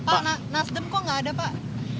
pak nasdem kok nggak ada pak